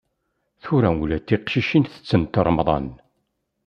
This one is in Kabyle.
Tura ula d tiqcicin tettent remḍan.